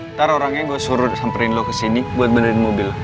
ntar orangnya gue suruh disamperkan ke sini buat banderin mobil lo